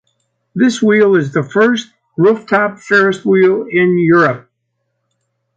This wheel is the first rooftop Ferris wheel in Europe.